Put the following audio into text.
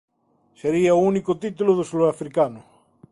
Sería o único título do surafricano.